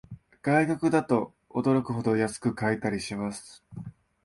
外国だと驚くほど安く買えたりします